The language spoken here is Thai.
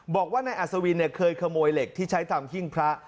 บอกว่านายอัศวินเคยขโมยเหล็กที่ใช้ทำหิ้งพระ